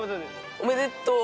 「おめでとう！